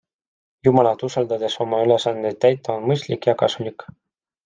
Jumalat usaldades oma ülesandeid täita on mõistlik ja kasulik.